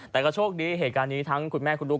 แต่ก็โชคดีเหตุการณ์นี้ทั้งคุณแม่คุณลูก